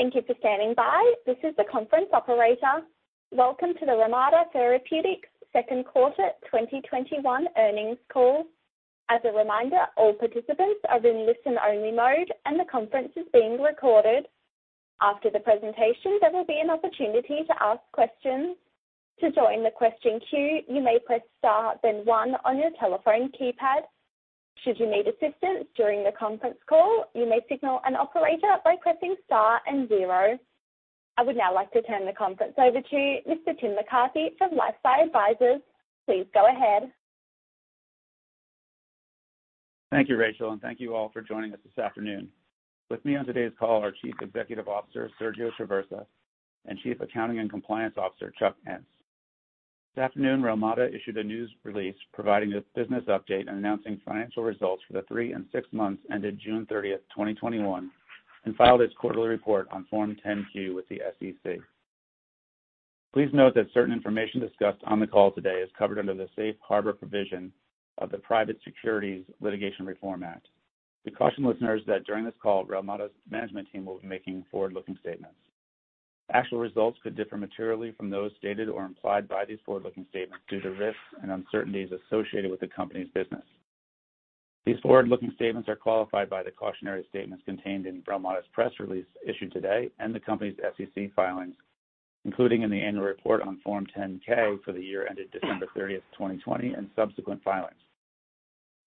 Thank you for standing by. This is the conference operator. Welcome to the Relmada Therapeutics second quarter 2021 earnings call. As a reminder, all participants are in listen-only mode, and the conference is being recorded. After the presentation, there will be an opportunity to ask questions. I would now like to turn the conference over to Mr. Tim McCarthy from LifeSci Advisors. Please go ahead. Thank you, Rachel, and thank you all for joining us this afternoon. With me on today's call are Chief Executive Officer, Sergio Traversa, and Chief Accounting and Compliance Officer, Charles Ence. This afternoon, Relmada issued a news release providing a business update and announcing financial results for the three and six months ended June 30, 2021, and filed its quarterly report on Form 10-Q with the SEC. Please note that certain information discussed on the call today is covered under the safe harbor provision of the Private Securities Litigation Reform Act. We caution listeners that during this call, Relmada's management team will be making forward-looking statements. Actual results could differ materially from those stated or implied by these forward-looking statements due to risks and uncertainties associated with the company's business. These forward-looking statements are qualified by the cautionary statements contained in Relmada's press release issued today and the company's SEC filings, including in the annual report on Form 10-K for the year ended December 30th, 2020, and subsequent filings.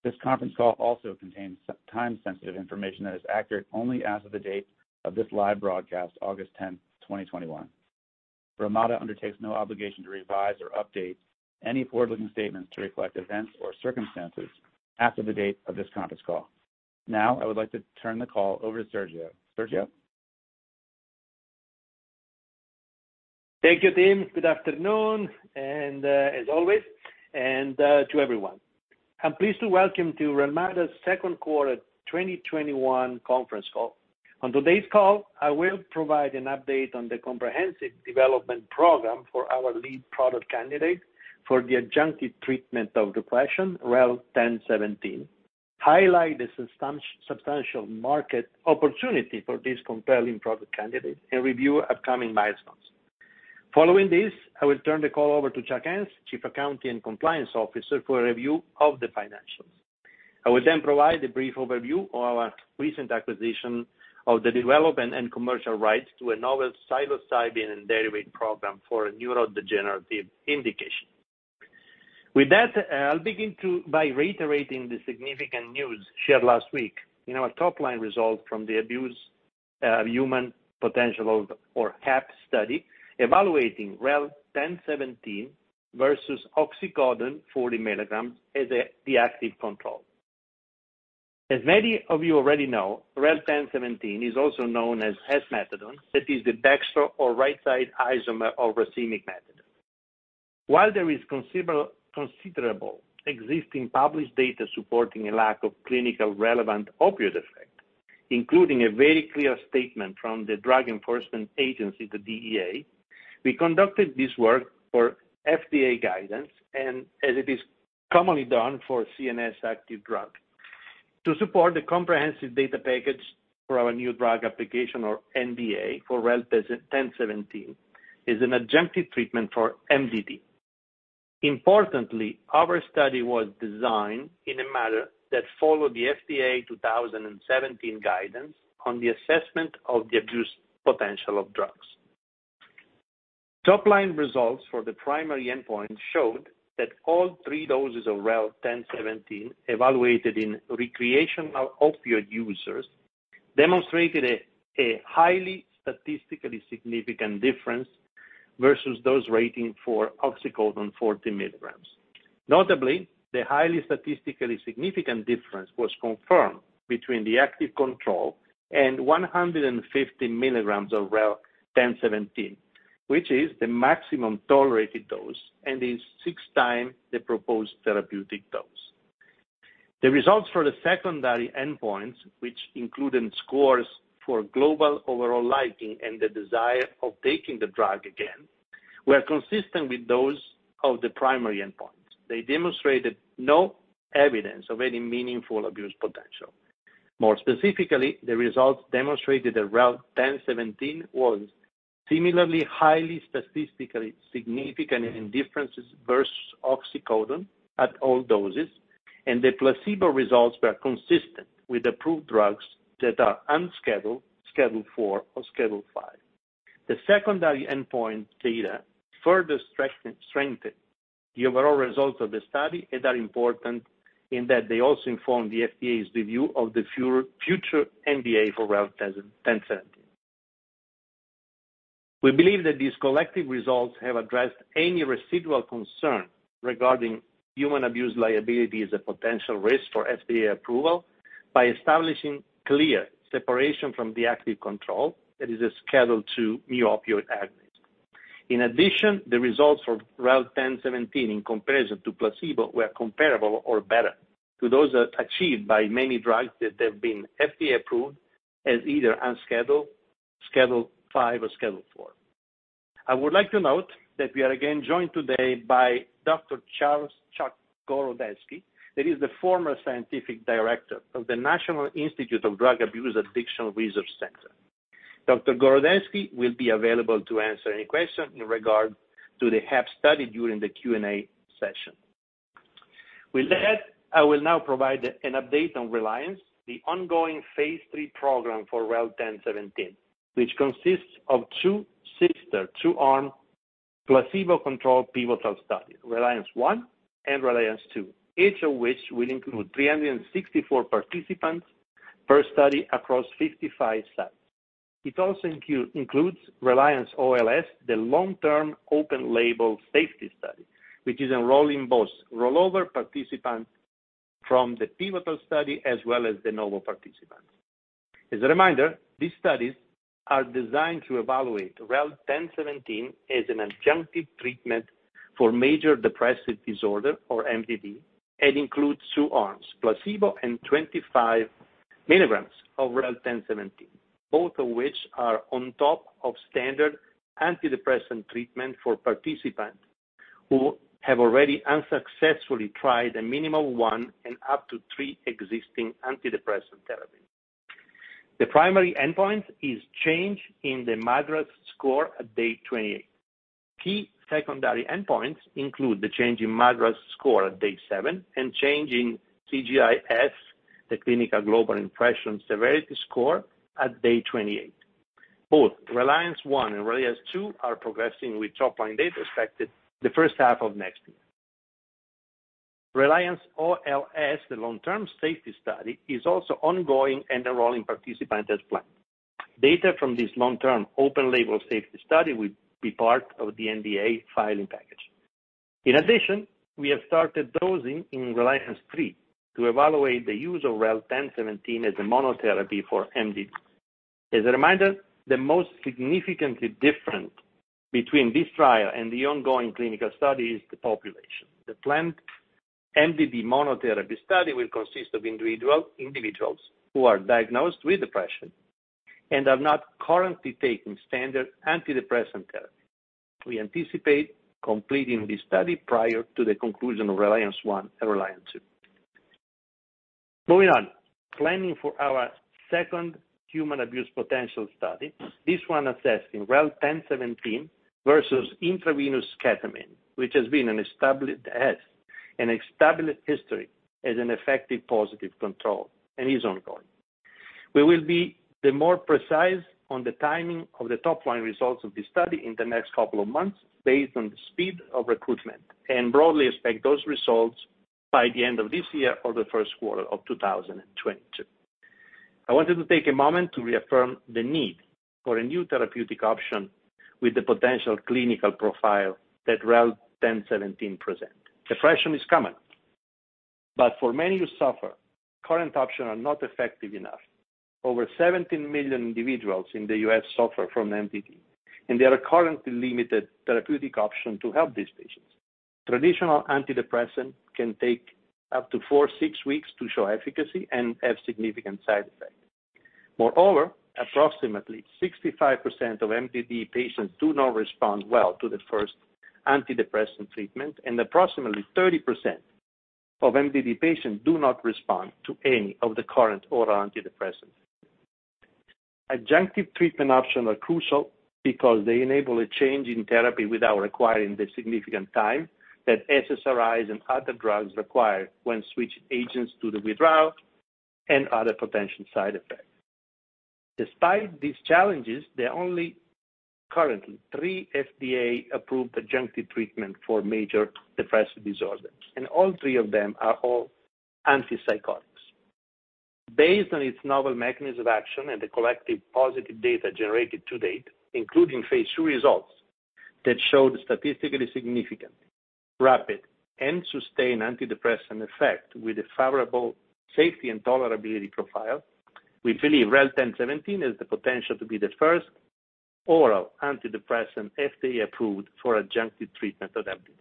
This conference call also contains time-sensitive information that is accurate only as of the date of this live broadcast, August 10th, 2021. Relmada undertakes no obligation to revise or update any forward-looking statements to reflect events or circumstances after the date of this conference call. I would like to turn the call over to Sergio. Sergio? Thank you, Tim. Good afternoon, as always, and to everyone. I'm pleased to welcome you to Relmada's second quarter 2021 conference call. On today's call, I will provide an update on the comprehensive development program for our lead product candidate for the adjunctive treatment of depression, REL-1017, highlight the substantial market opportunity for this compelling product candidate, and review upcoming milestones. Following this, I will turn the call over to Charles Ence, Chief Accounting and Compliance Officer, for a review of the financials. I will then provide a brief overview of our recent acquisition of the development and commercial rights to a novel psilocybin and derivatives program for neurodegenerative indication. With that, I'll begin by reiterating the significant news shared last week in our top-line result from the abuse of human potential or HAP study evaluating REL-1017 versus oxycodone 40 milligrams as the active control. As many of you already know, REL-1017 is also known as S-methadone, that is the dextro or right-side isomer of racemic methadone. While there is considerable existing published data supporting a lack of clinically relevant opioid effect, including a very clear statement from the Drug Enforcement Administration, the DEA, we conducted this work for FDA guidance and as it is commonly done for CNS active drug. To support the comprehensive data package for our new drug application or NDA for REL-1017 as an adjunctive treatment for MDD. Importantly, our study was designed in a manner that followed the FDA 2017 guidance on the assessment of the abuse potential of drugs. Top-line results for the primary endpoint showed that all three doses of REL-1017 evaluated in recreational opioid users demonstrated a highly statistically significant difference versus those rating for oxycodone 40 milligrams. Notably, the highly statistically significant difference was confirmed between the active control and 150 milligrams of REL-1017, which is the maximum tolerated dose and is 6x the proposed therapeutic dose. The results for the secondary endpoints, which included scores for global overall liking and the desire of taking the drug again, were consistent with those of the primary endpoint. They demonstrated no evidence of any meaningful abuse potential. More specifically, the results demonstrated that REL-1017 was similarly highly statistically significant in differences versus oxycodone at all doses, and the placebo results were consistent with approved drugs that are unscheduled, Schedule IV, or Schedule V. The secondary endpoint data further strengthened the overall results of the study and are important in that they also inform the FDA's review of the future NDA for REL-1017. We believe that these collective results have addressed any residual concern regarding human abuse liability as a potential risk for FDA approval by establishing clear separation from the active control that is a Schedule II mu opioid agonist. In addition, the results for REL-1017 in comparison to placebo were comparable or better to those achieved by many drugs that have been FDA approved as either unscheduled, Schedule V, or Schedule IV. I would like to note that we are again joined today by Dr. Charles "Charles" Gorodetsky, that is the former scientific director of the National Institute on Drug Abuse Addiction Research Center. Dr. Gorodetsky will be available to answer any question in regard to the HAP study during the Q&A session. With that, I will now provide an update on RELIANCE, the ongoing Phase III program for REL-1017, which consists of two sister, two-arm placebo-controlled pivotal study, RELIANCE I and RELIANCE II, each of which will include 364 participants per study across 55 sites. It also includes RELIANCE-OLS, the long-term open-label safety study, which is enrolling both rollover participants from the pivotal study as well as de novo participants. As a reminder, these studies are designed to evaluate REL-1017 as an adjunctive treatment for major depressive disorder, or MDD, and includes two arms, placebo and 25 milligrams of REL-1017, both of which are on top of standard antidepressant treatment for participants who have already unsuccessfully tried a minimum of one and up to three existing antidepressant therapy. The primary endpoint is change in the MADRS score at day 28. Key secondary endpoints include the change in MADRS score at day seven and change in CGI-S, the Clinical Global Impression Severity Score, at day 28. Both RELIANCE I and RELIANCE II are progressing with top line data expected the first half of next year. RELIANCE-OLS, the long-term safety study, is also ongoing and enrolling participants as planned. Data from this long-term open-label safety study will be part of the NDA filing package. In addition, we have started dosing in RELIANCE III to evaluate the use of REL-1017 as a monotherapy for MDD. As a reminder, the most significantly different between this trial and the ongoing clinical study is the population. The planned MDD monotherapy study will consist of individuals who are diagnosed with depression and are not currently taking standard antidepressant therapy. We anticipate completing this study prior to the conclusion of RELIANCE I and RELIANCE II. Moving on. Planning for our second HAP study, this one assessing REL-1017 versus intravenous ketamine, which has an established history as an effective positive control and is ongoing. We will be the more precise on the timing of the top-line results of this study in the next couple of months based on the speed of recruitment, broadly expect those results by the end of this year or the first quarter of 2022. I wanted to take a moment to reaffirm the need for a new therapeutic option with the potential clinical profile that REL-1017 present. Depression is common, for many who suffer, current options are not effective enough. Over 17 million individuals in the U.S. suffer from MDD, there are currently limited therapeutic option to help these patients. Traditional antidepressant can take up to four, six weeks to show efficacy have significant side effects. Moreover, approximately 65% of MDD patients do not respond well to the first antidepressant treatment, and approximately 30% of MDD patients do not respond to any of the current oral antidepressants. Adjunctive treatment options are crucial because they enable a change in therapy without requiring the significant time that SSRIs and other drugs require when switching agents due to withdrawal and other potential side effects. Despite these challenges, there are only currently three FDA-approved adjunctive treatment for major depressive disorders, and all three of them are all antipsychotics. Based on its novel mechanism of action and the collective positive data generated to date, including Phase II results that showed statistically significant, rapid, and sustained antidepressant effect with a favorable safety and tolerability profile, we believe REL-1017 has the potential to be the first oral antidepressant FDA approved for adjunctive treatment of MDD.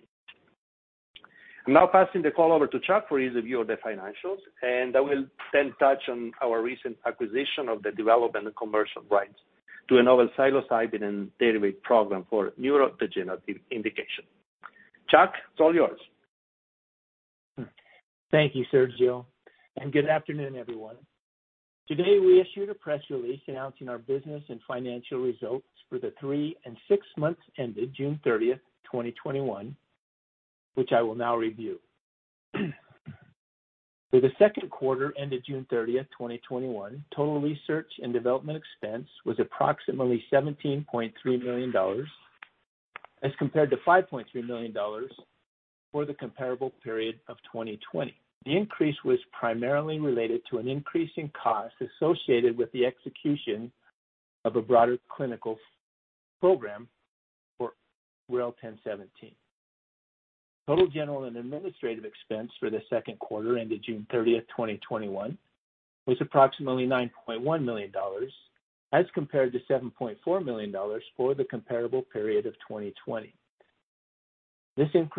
I'm now passing the call over to Charles for a review of the financials, and I will then touch on our recent acquisition of the development and commercial rights to a novel psilocybin and derivatives program for neurodegenerative indication. Charles, it's all yours. Thank you, Sergio, and good afternoon, everyone. The increase was primarily related to an increase in costs associated with the execution of a broader clinical program for REL-1017.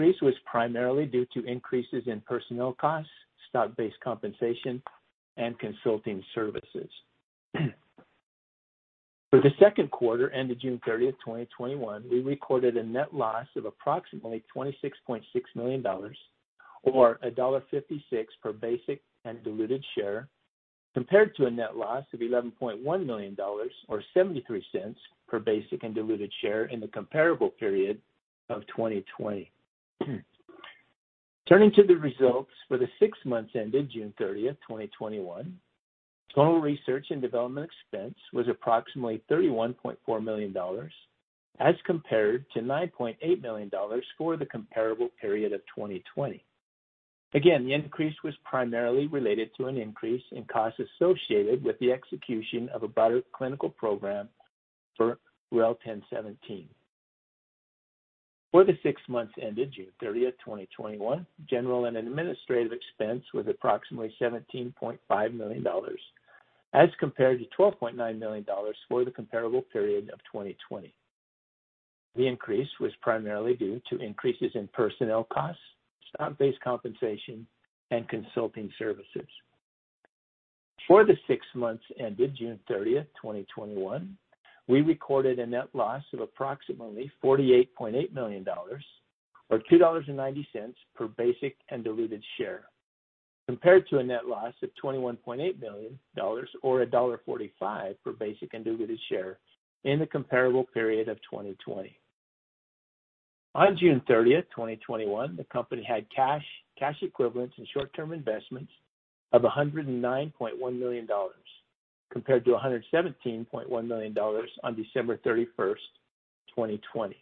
For the six months ended June 30th, 2021, general and administrative expense was approximately $17.5 million as compared to $12.9 million for the comparable period of 2020. The increase was primarily due to increases in personnel costs, stock-based compensation, and consulting services. For the 6 months ended June 30th, 2021, we recorded a net loss of approximately $48.8 million, or $2.90 per basic and diluted share, compared to a net loss of $21.8 million, or $1.45 per basic and diluted share in the comparable period of 2020. On June 30th, 2021, the company had cash equivalents, and short-term investments of $109.1 million, compared to $117.1 million on December 31st, 2020.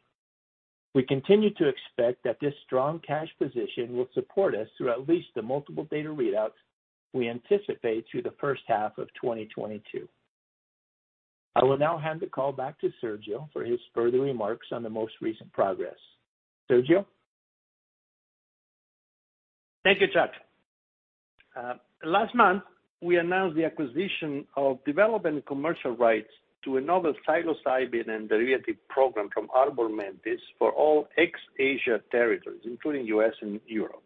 We continue to expect that this strong cash position will support us through at least the multiple data readouts we anticipate through the first half of 2022. I will now hand the call back to Sergio for his further remarks on the most recent progress. Sergio? Thank you, Charles. Last month, we announced the acquisition of development and commercial rights to a novel psilocybin and derivatives program from Arbormentis LLC for all ex-Asia territories, including U.S. and Europe.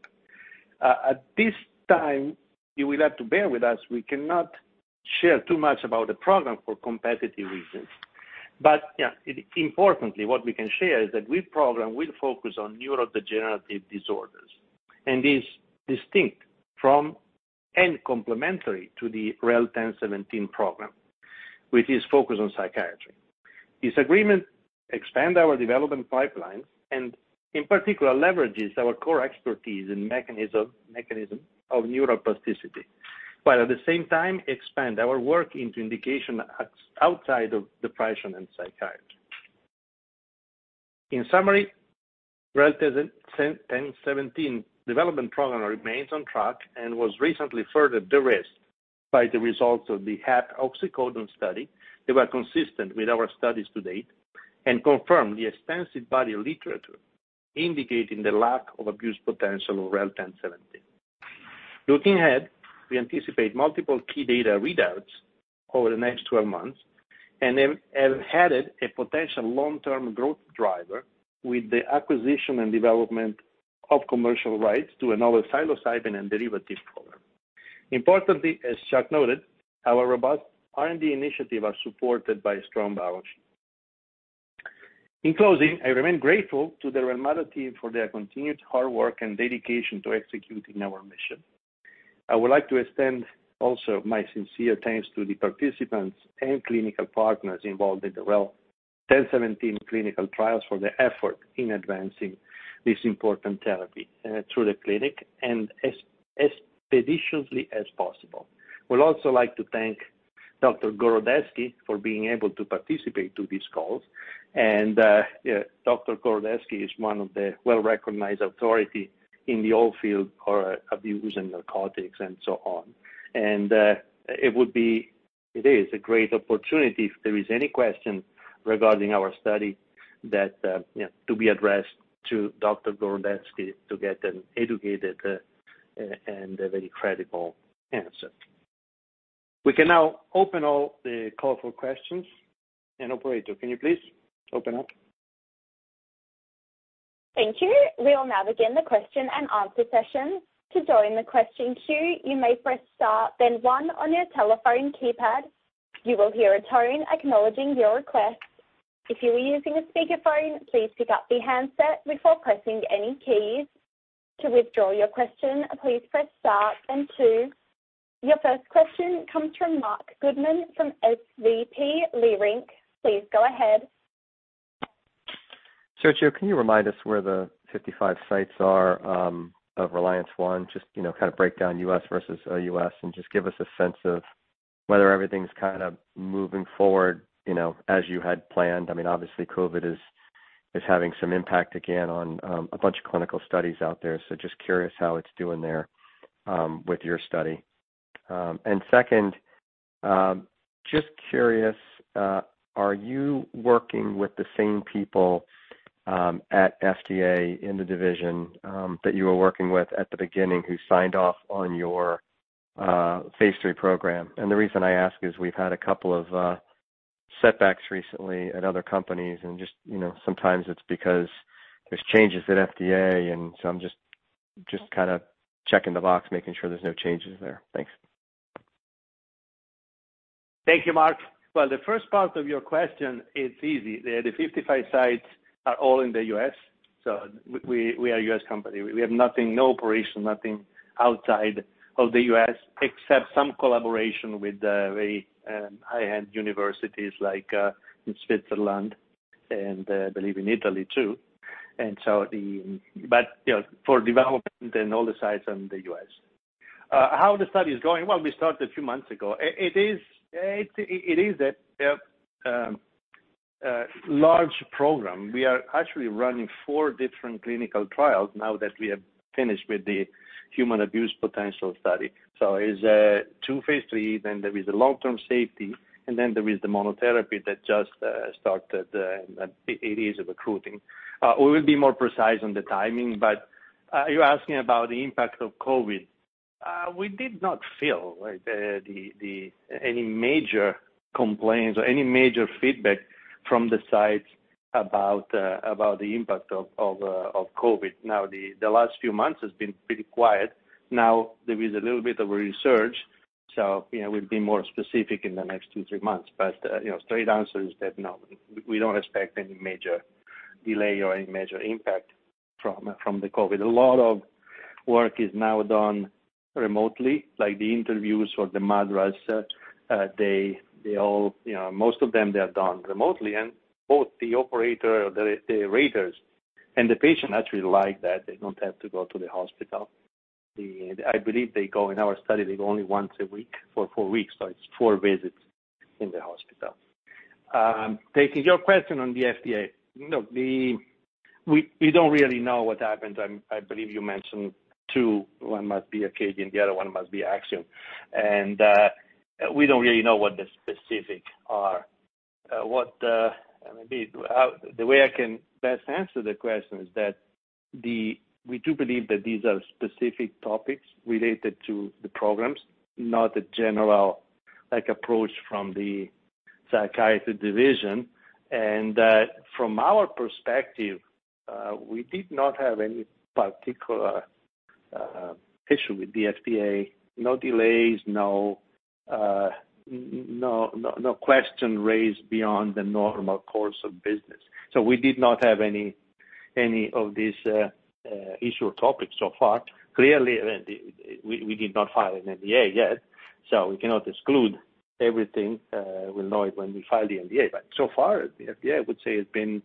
At this time, you will have to bear with us, we cannot share too much about the program for competitive reasons. Importantly, what we can share is that this program will focus on neurodegenerative disorders and is distinct from and complementary to the REL-1017 program, with its focus on psychiatry. This agreement expands our development pipeline and in particular leverages our core expertise in mechanism of neuroplasticity, but at the same time expands our work into indications outside of depression and psychiatry. In summary, REL-1017 development program remains on track and was recently further de-risked by the results of the HAP oxycodone study that were consistent with our studies to date and confirm the extensive body of literature indicating the lack of abuse potential of REL-1017. Looking ahead, we anticipate multiple key data readouts over the next 12 months and have added a potential long-term growth driver with the acquisition and development of commercial rights to another psilocybin and derivatives program. Importantly, as Charles noted, our robust R&D initiatives are supported by a strong balance sheet. In closing, I remain grateful to the Relmada team for their continued hard work and dedication to executing our mission. I would like to extend also my sincere thanks to the participants and clinical partners involved in the REL-1017 clinical trials for their effort in advancing this important therapy through the clinic and as expeditiously as possible. Would also like to thank Dr. Gorodetzky for being able to participate to these calls. Dr. Gorodetzky is one of the well-recognized authority in the whole field for abuse and narcotics and so on. It is a great opportunity if there is any question regarding our study to be addressed to Dr. Gorodetzky to get an educated and a very credible answer. We can now open the call for questions. Operator, can you please open up? Thank you. We will now begin the question and answer session. Your first question comes from Marc Goodman from SVB Leerink. Please go ahead. Sergio, can you remind us where the 55 sites are of RELIANCE I? Just kind of break down U.S. versus OUS, and just give us a sense of whether everything's kind of moving forward as you had planned. Obviously, COVID is having some impact again on a bunch of clinical studies out there, just curious how it's doing there with your study. Second, just curious, are you working with the same people at FDA in the division that you were working with at the beginning who signed off on your Phase III program? The reason I ask is we've had a couple of setbacks recently at other companies and just sometimes it's because there's changes at FDA and so I'm just checking the box, making sure there's no changes there. Thanks. Thank you, Marc. The first part of your question is easy. The 55 sites are all in the U.S. We are a U.S. company. We have nothing, no operation, nothing outside of the U.S., except some collaboration with very high-end universities like in Switzerland and I believe in Italy too. For development and all the sites in the U.S. How the study is going? We started a few months ago. It is a large program. We are actually running four different clinical trials now that we have finished with the Human Abuse Potential study. It's two Phase IIIs, and there is the long-term safety, and then there is the monotherapy that just started, and it is recruiting. We will be more precise on the timing. You're asking about the impact of COVID. We did not feel any major complaints or any major feedback from the sites about the impact of COVID. The last few months has been pretty quiet. There is a little bit of a resurge, so we'll be more specific in the next two, three months. Straight answer is that, no, we don't expect any major delay or any major impact from COVID. A lot of work is now done remotely, like the interviews or the MADRS. Most of them, they are done remotely and both the operator, the raters and the patient actually like that. They don't have to go to the hospital. I believe they go, in our study, they go only once a week for four weeks, so it's four visits in the hospital. Taking your question on the FDA. We don't really know what happened. I believe you mentioned two. One must be Acadia and the other one must be Axsome, and we don't really know what the specific are. The way I can best answer the question is that we do believe that these are specific topics related to the programs, not a general approach from the psychiatry division. From our perspective, we did not have any particular issue with the FDA. No delays, no question raised beyond the normal course of business. We did not have any of these issue or topics so far. Clearly, we did not file an NDA yet, so we cannot exclude everything. We'll know it when we file the NDA. So far, the FDA, I would say, has been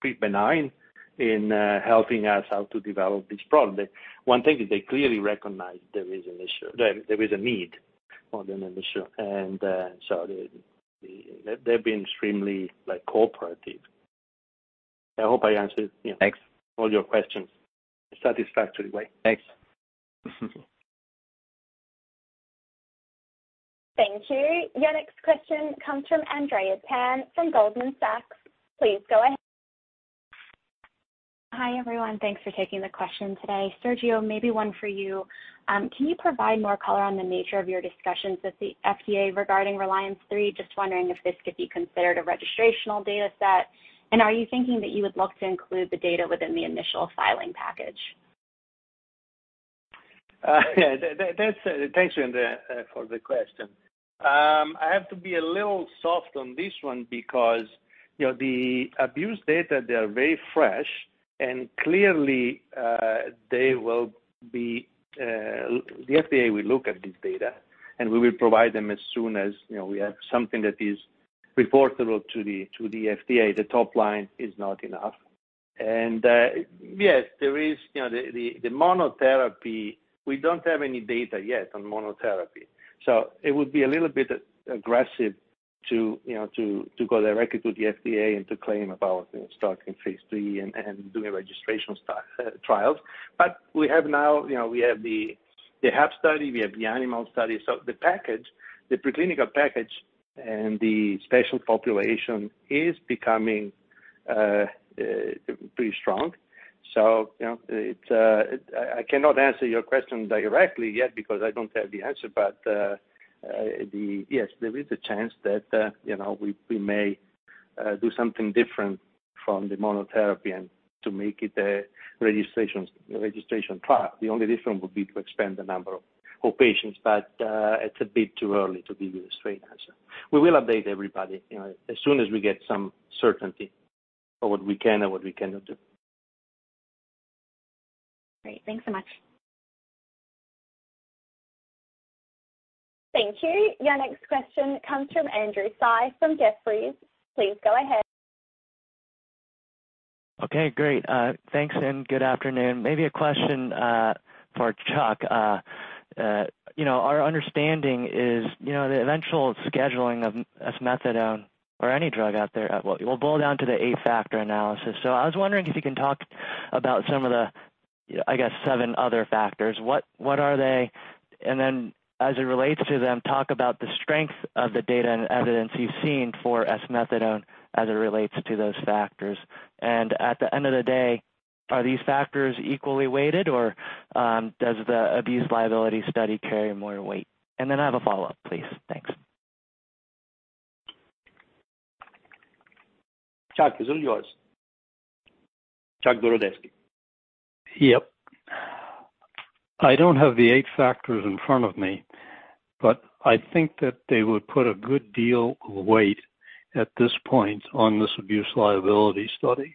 pretty benign in helping us how to develop this product. One thing is they clearly recognize there is a need more than an issue. They've been extremely cooperative. I hope I answered-. Thanks all your questions in a satisfactory way. Thanks. Thank you. Your next question comes from Andrea Tan from Goldman Sachs. Please go ahead. Hi, everyone. Thanks for taking the question today. Sergio, maybe one for you. Can you provide more color on the nature of your discussions with the FDA regarding RELIANCE III? Just wondering if this could be considered a registrational data set, and are you thinking that you would look to include the data within the initial filing package? Thanks, Andrea, for the question. I have to be a little soft on this one because the abuse data, they are very fresh and clearly, the FDA will look at this data, and we will provide them as soon as we have something that is reportable to the FDA. The top line is not enough. Yes, the monotherapy, we don't have any data yet on monotherapy. It would be a little bit aggressive to go directly to the FDA and to claim about starting Phase III and doing registration trials. We have now the HAP study, we have the animal study. The package, the preclinical package and the special population is becoming pretty strong. I cannot answer your question directly yet because I don't have the answer. Yes, there is a chance that we may do something different from the monotherapy and to make it a registration trial. The only difference would be to expand the number of patients. It's a bit too early to give you a straight answer. We will update everybody as soon as we get some certainty of what we can and what we cannot do. Great. Thanks so much. Thank you. Your next question comes from Andrew Tsai from Jefferies. Please go ahead. Okay, great. Thanks and good afternoon. Maybe a question for Charles. Our understanding is the eventual scheduling of S-methadone or any drug out there will boil down to the Eight-Factor Analysis. I was wondering if you can talk about some of the, I guess seven other factors. What are they? As it relates to them, talk about the strength of the data and evidence you've seen for S-methadone as it relates to those factors. At the end of the day. Are these factors equally weighted, or does the abuse liability study carry more weight? I have a follow-up, please. Thanks. Charles, it's all yours. Charles Gorodetzky. Yep. I don't have the Eight Factors in front of me, but I think that they would put a good deal of weight at this point on this abuse liability study.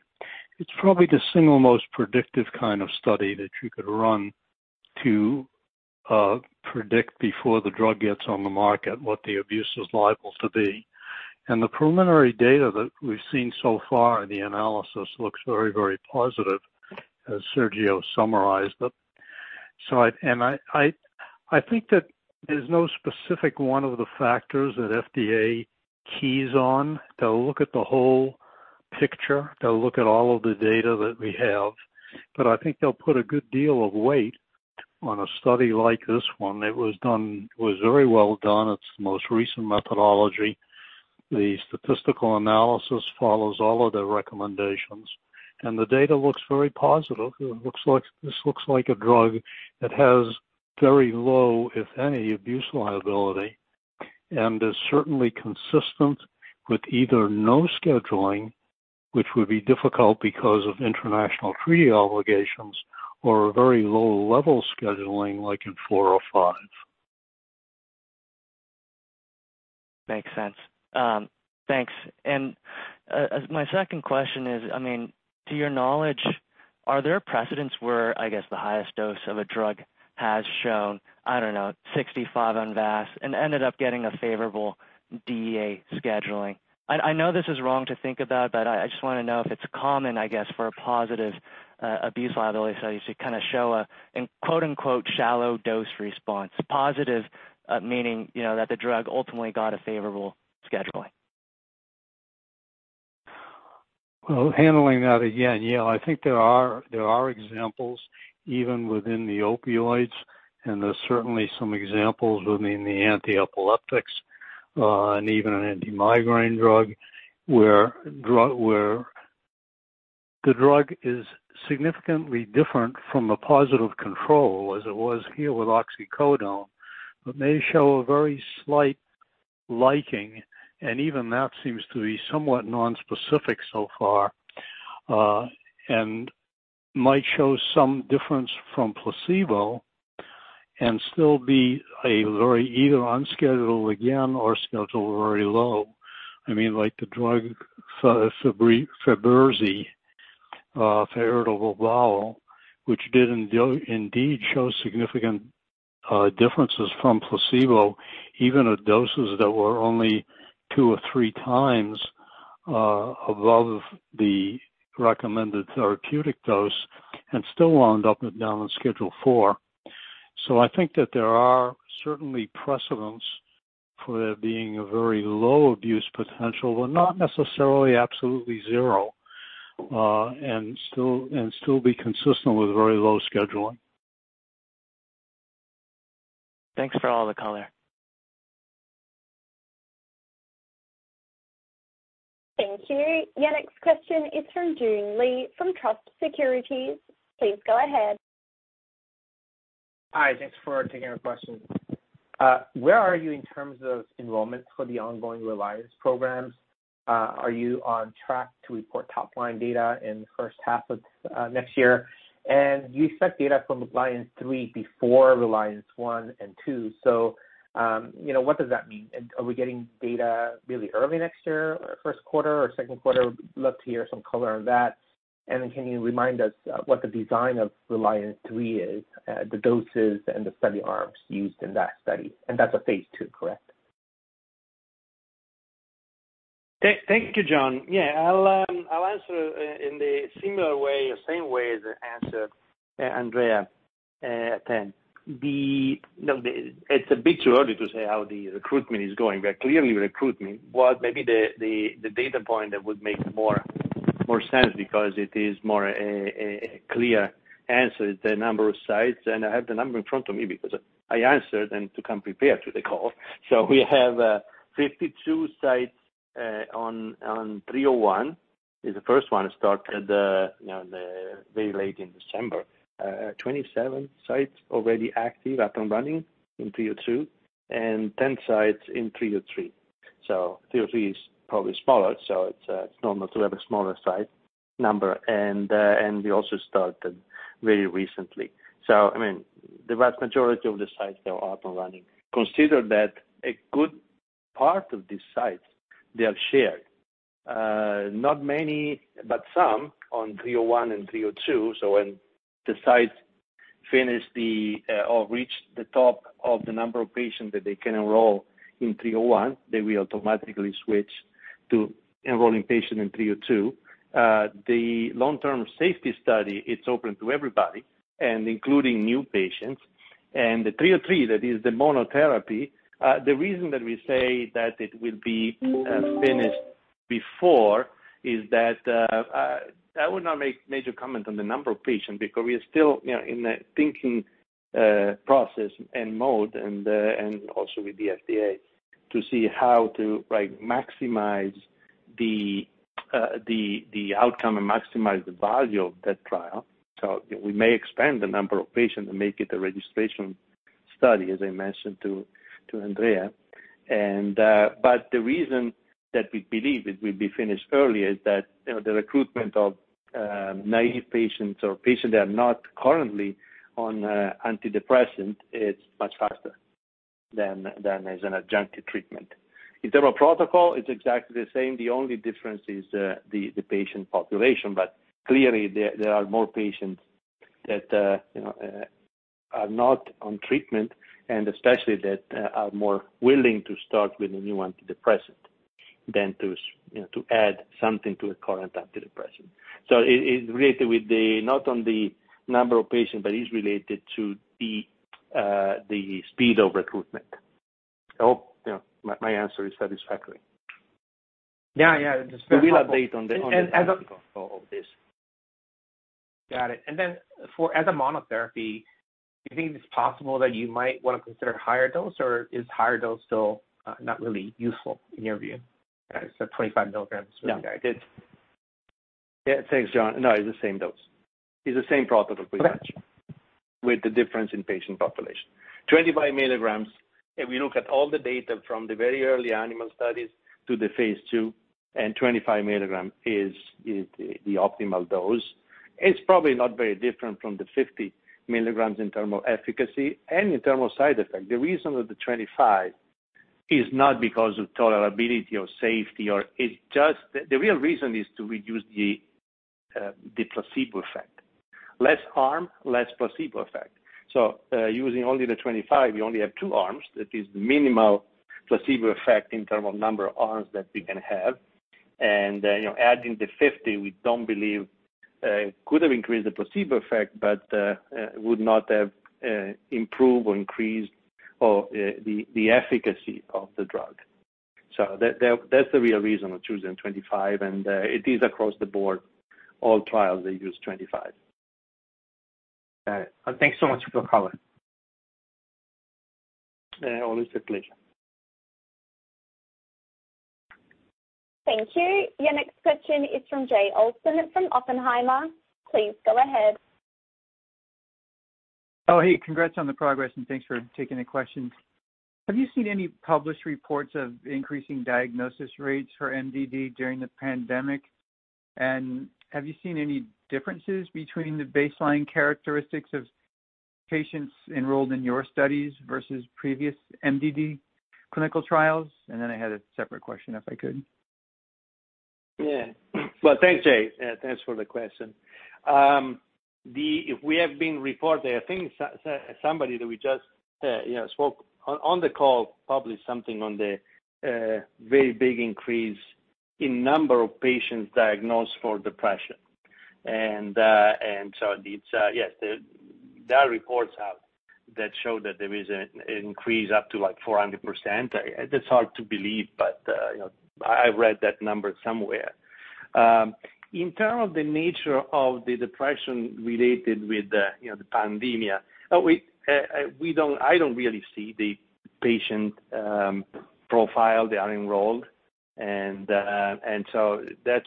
It's probably the single most predictive kind of study that you could run to predict before the drug gets on the market what the abuse is liable to be. The preliminary data that we've seen so far, the analysis looks very, very positive, as Sergio summarized it. I think that there's no specific one of the factors that FDA keys on. They'll look at the whole picture, they'll look at all of the data that we have. I think they'll put a good deal of weight on a study like this one. It was very well done. It's the most recent methodology. The statistical analysis follows all of their recommendations, and the data looks very positive. This looks like a drug that has very low, if any, abuse liability and is certainly consistent with either no scheduling, which would be difficult because of international treaty obligations, or a very low-level scheduling like in four or five. Makes sense. Thanks. My second question is, to your knowledge, are there precedents where, I guess, the highest dose of a drug has shown, I don't know, 65 on VAS and ended up getting a favorable DEA scheduling? I know this is wrong to think about, but I just want to know if it's common, I guess, for a positive abuse liability study to show a quote, unquote, "shallow dose response." Positive meaning that the drug ultimately got a favorable scheduling. Handling that again, yeah, I think there are examples even within the opioids, and there's certainly some examples within the antiepileptics, and even an antimigraine drug, where the drug is significantly different from a positive control, as it was here with oxycodone, but may show a very slight liking, and even that seems to be somewhat non-specific so far, and might show some difference from placebo and still be either unscheduled again or scheduled very low. Like the drug, VIBERZI, for irritable bowel, which did indeed show significant differences from placebo, even at doses that were only two or three times above the recommended therapeutic dose and still wound up down in Schedule IV. I think that there are certainly precedents for there being a very low abuse potential, but not necessarily absolutely zero, and still be consistent with very low scheduling. Thanks for all the color. Thank you. Your next question is from Joon Lee from Truist Securities. Please go ahead. Hi. Thanks for taking the question. Where are you in terms of enrollments for the ongoing RELIANCE programs? Are you on track to report top-line data in the first half of next year? You set data from RELIANCE 3 before RELIANCE 1 and 2. What does that mean? Are we getting data really early next year or first quarter or second quarter? Would love to hear some color on that. Then can you remind us what the design of RELIANCE 3 is, the doses and the study arms used in that study? That's a Phase II, correct? Thank you, John. Yeah, I'll answer in the similar way or same way as I answered Andrea Tan. Clearly recruitment was maybe the data point that would make more sense because it is more a clear answer, the number of sites, and I have the number in front of me because I answered and to come prepared to the call. We have 52 sites on 301. It's the first one started very late in December. 27 sites already active, up and running in 302, and 10 sites in 303. 303 is probably smaller, so it's normal to have a smaller site number. We also started very recently. The vast majority of the sites, they are up and running. Consider that a good part of these sites, they are shared. Not many, but some on 301 and 302. When the site finish or reach the top of the number of patients that they can enroll in 301, they will automatically switch to enrolling patients in 302. The long-term safety study, it's open to everybody and including new patients. The 303, that is the monotherapy. The reason that we say that it will be finished before is that I would not make major comment on the number of patients because we are still in the thinking process and mode and also with the FDA. To see how to maximize the outcome and maximize the value of that trial. We may expand the number of patients and make it a registration study, as I mentioned to Andrea. The reason that we believe it will be finished early is that the recruitment of naive patients or patients that are not currently on antidepressant is much faster than as an adjunctive treatment. In terms of protocol, it's exactly the same. The only difference is the patient population. Clearly, there are more patients that are not on treatment, and especially that are more willing to start with a new antidepressant than to add something to a current antidepressant. It's related with not on the number of patients, but it's related to the speed of recruitment. I hope my answer is satisfactory. Yeah. It's very helpful. We will update on the protocol of this. Got it. As a monotherapy, do you think it's possible that you might want to consider higher dose, or is higher dose still not really useful in your view? 25 milligrams for the guided. Yeah. Thanks, John. No, it's the same dose. It's the same protocol pretty much. Okay. With the difference in patient population. 25 mg, if we look at all the data from the very early animal studies to the Phase II, and 25 mg is the optimal dose. It's probably not very different from the 50 mg in term of efficacy and in term of side effect. The reason with the 25 is not because of tolerability or safety. The real reason is to reduce the placebo effect. Less arm, less placebo effect. Using only the 25, we only have two arms. That is the minimal placebo effect in term of number of arms that we can have. Adding the 50, we don't believe could have increased the placebo effect, but would not have improved or increased the efficacy of the drug. That's the real reason of choosing 25. It is across the board. All trials, they use 25. All right. Thanks so much for the call. Always a pleasure. Thank you. Your next question is from Jay Olson from Oppenheimer. Please go ahead. Oh, hey. Congrats on the progress and thanks for taking the questions. Have you seen any published reports of increasing diagnosis rates for MDD during the pandemic? Have you seen any differences between the baseline characteristics of patients enrolled in your studies versus previous MDD clinical trials? I had a separate question, if I could. Well, thanks, Jay. Thanks for the question. We have been reported, I think somebody that we just spoke on the call published something on the very big increase in number of patients diagnosed for depression. It's yes, there are reports out that show that there is an increase up to 400%. It is hard to believe, I read that number somewhere. In terms of the nature of the depression related with the pandemic, I don't really see the patient profile they are enrolled. That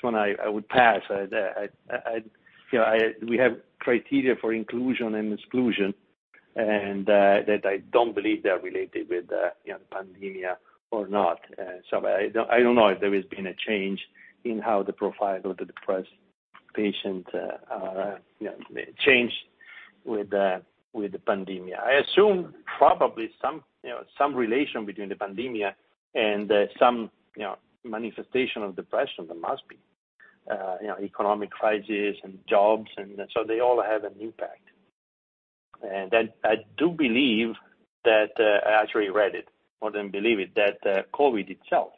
one I would pass. We have criteria for inclusion and exclusion and that I don't believe they're related with pandemic or not. I don't know if there has been a change in how the profile of the depressed patient changed with the pandemic. I assume probably some relation between the pandemic and some manifestation of depression. There must be. Economic crisis and jobs, they all have an impact. I do believe that, I actually read it more than believe it, that COVID itself,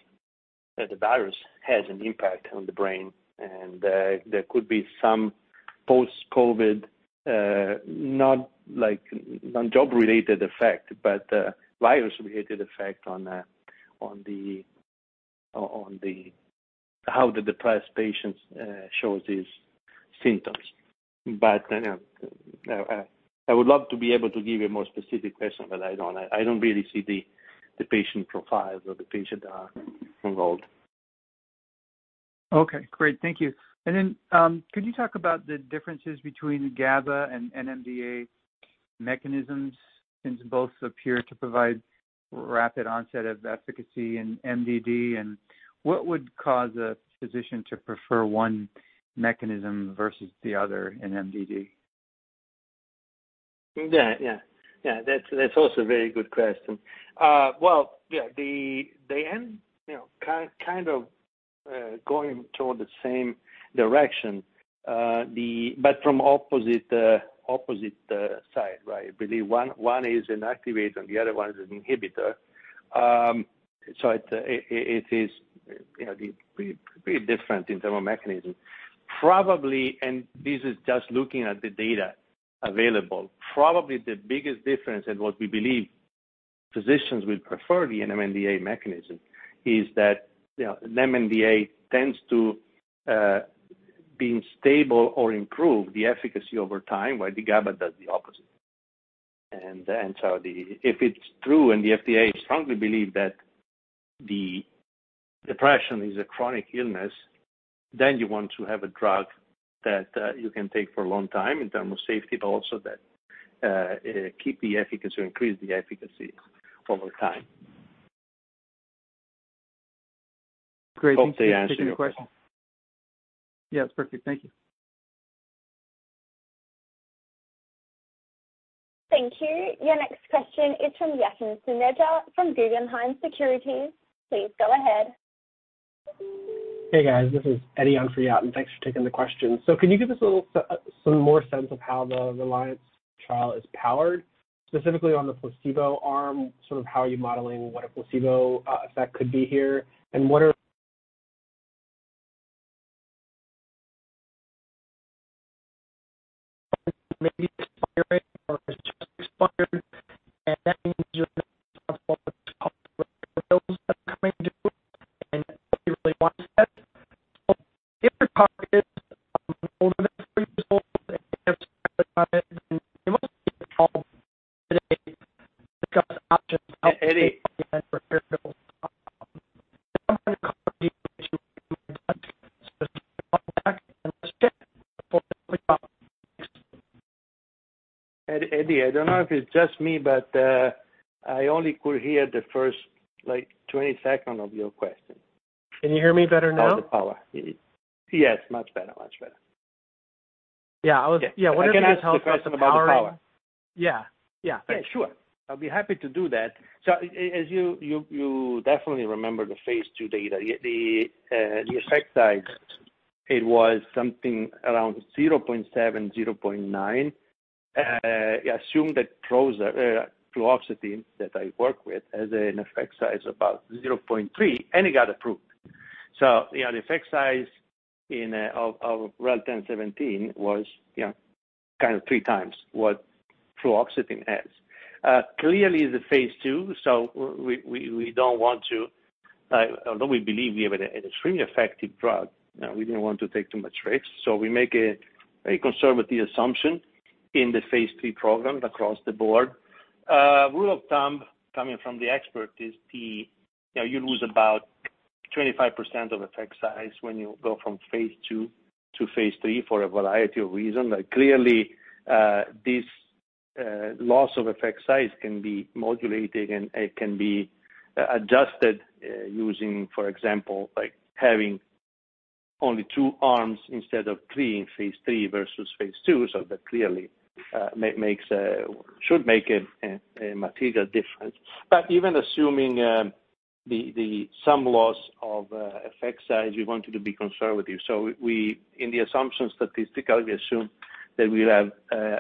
the virus, has an impact on the brain. There could be some post-COVID, not job-related effect, but virus-related effect on how the depressed patients show these symptoms. I would love to be able to give you a more specific question, but I don't. I don't really see the patient profiles or the patients that are enrolled. Okay, great. Thank you. Could you talk about the differences between GABA and NMDA mechanisms, since both appear to provide rapid onset of efficacy in MDD? What would cause a physician to prefer one mechanism versus the other in MDD? Yeah. That's also a very good question. Well, yeah, they end kind of going toward the same direction, but from opposite side, right? One is an activator, and the other one is an inhibitor. It is pretty different in terms of mechanism. Probably, and this is just looking at the data available, probably the biggest difference in what we believe physicians will prefer the NMDA mechanism is that NMDA tends to being stable or improve the efficacy over time, while the GABA does the opposite. If it's true and the FDA strongly believe that the depression is a chronic illness, then you want to have a drug that you can take for a long time in terms of safety, but also that keep the efficacy or increase the efficacy over time. Great. Thank you for taking the question. Hope they answer your question. It's perfect. Thank you. Thank you. Your next question is from Yatin Suneja from Guggenheim Securities. Please go ahead. Hey, guys. This is Eddie on for Yatin. Thanks for taking the question. Can you give us some more sense of how the RELIANCE trial is powered, specifically on the placebo arm, how are you modeling what a placebo effect could be here? What are maybe expiring or has just expired, and that means you're going to be responsible for that come into it, and nobody really wants that. If your target is older menstrual results and you have then you must be on the call today to discuss options. Eddie for Eddie, I don't know if it's just me, but I only could hear the first 20 second of your question. Can you hear me better now? About the power. Yes, much better. Yeah. Okay. Yeah. I was wondering if you could tell us about the powering. I can answer the question about the power. Yeah. Thanks. Yeah, sure. I'll be happy to do that. As you definitely remember the Phase II data, the effect size, it was something around 0.7, 0.9. Assume that fluoxetine that I work with has an effect size about 0.3, and it got approved. The effect size of REL-1017 was kind of three times what fluoxetine has. Clearly it's a Phase II, so although we believe we have an extremely effective drug, we didn't want to take too much risk. We make a conservative assumption in the Phase III program across the board. A rule of thumb coming from the expert is you lose about 25% of effect size when you go from Phase II to Phase III for a variety of reasons. This loss of effect size can be modulated, and it can be adjusted using, for example, having only two arms instead of three in Phase III versus Phase II. That clearly should make a material difference. Even assuming the sum loss of effect size, we wanted to be conservative. In the assumption statistically, we assume that we'll have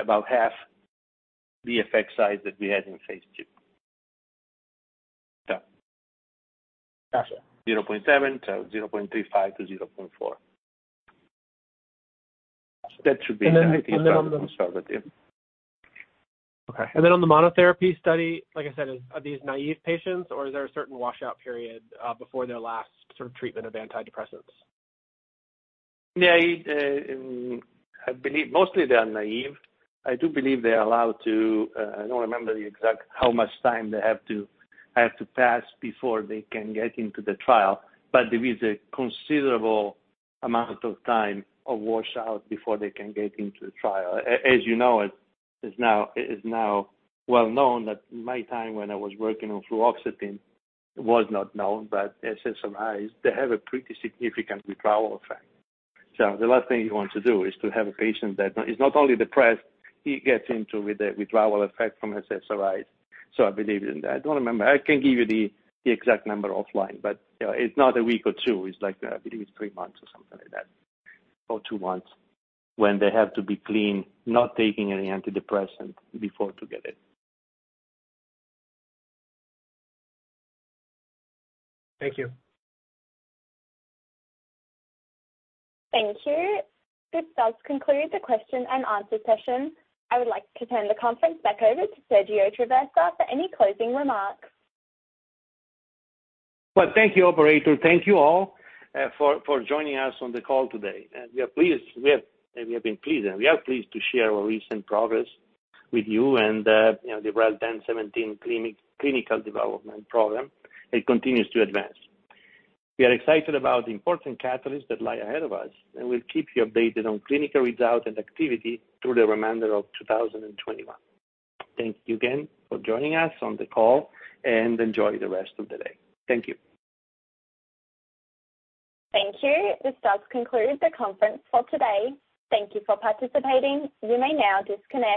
about half the effect size that we had in Phase II. Gotcha. Zero point seven, so zero point three five to zero point four. That should be- And then on the- conservative. Okay. Then on the monotherapy study, like I said, are these naive patients or is there a certain washout period before their last sort of treatment of antidepressants? I believe mostly they are naive. I do believe they're allowed to I don't remember the exact how much time they have to pass before they can get into the trial. There is a considerable amount of time of washout before they can get into the trial. As you know, it is now well known that my time when I was working on fluoxetine was not known, SSRIs, they have a pretty significant withdrawal effect. The last thing you want to do is to have a patient that is not only depressed, he gets into with a withdrawal effect from SSRIs. I believe in that. I don't remember. I can give you the exact number offline, it's not a week or two. I believe it's 3 months or something like that, or 2 months when they have to be clean, not taking any antidepressant before to get it. Thank you. Thank you. This does conclude the question and answer session. I would like to turn the conference back over to Sergio Traversa for any closing remarks. Well, thank you, operator. Thank you all for joining us on the call today. We have been pleased and we are pleased to share our recent progress with you and the REL-1017 clinical development program. It continues to advance. We are excited about the important catalysts that lie ahead of us, and we'll keep you updated on clinical results and activity through the remainder of 2021. Thank you again for joining us on the call, and enjoy the rest of the day. Thank you. Thank you. This does conclude the conference for today. Thank you for participating. You may now disconnect.